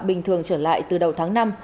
bình thường trở lại từ đầu tháng năm